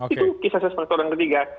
itu key success factor yang ketiga